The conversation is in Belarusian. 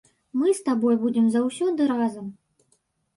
Мы з табой будзем заўсёды разам.